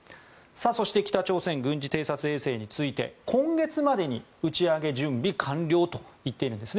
そして北朝鮮は軍事偵察衛星について今月までに打ち上げ準備完了と言っているんです。